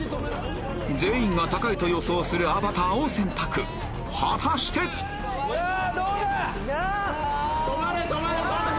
全員が高いと予想する『アバター』を選択果たして⁉さぁどうだ？